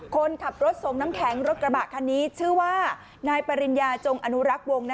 คนขับรถส่งน้ำแข็งรถกระบะคันนี้ชื่อว่านายปริญญาจงอนุรักษ์วง